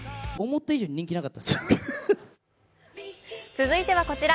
続いてはこちら。